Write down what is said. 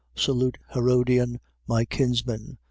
Salute Herodian, my kinsman.